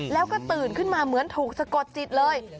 แล้วก็ตื่นขึ้นมาเหมือนถูกสะกดจิตเลย